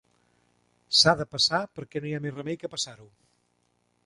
S'ha de passar perquè no hi ha més remei que passar-ho